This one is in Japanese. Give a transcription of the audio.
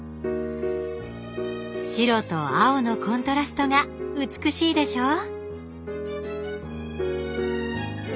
白と青のコントラストが美しいでしょう？